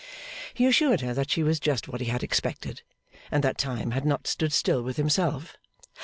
He assured her that she was just what he had expected and that time had not stood still with himself.